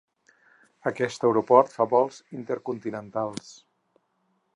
Aquest aeroport fa vols intercontinentals.